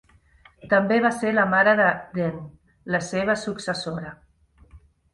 També va ser la mare de Den, la seva successora.